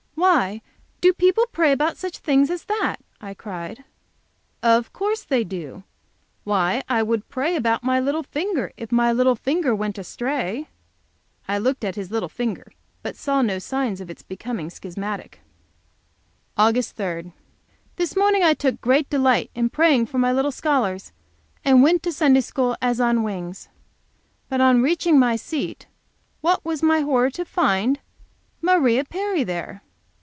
"Why, do people pray about such things as that?" I cried. "Of course they do. Why, I would pray about my little finger, if my little finger went astray." I looked at his little finger, but saw no signs of its becoming schismatic. AUG. 3. This morning I took great delight in praying for my little scholars, and went to Sunday school as on wings. But on reaching my seat, what was my horror to find Maria Perry there!